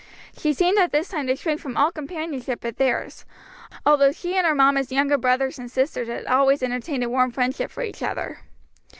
She seemed at this time to shrink from all companionship but theirs, although she and her mamma's younger brothers and sisters had always entertained a warm friendship for each other.